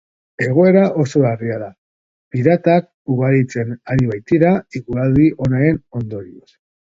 Egoera oso larria da, piratak ugaritzen ari baitira eguraldi onaren ondorioz.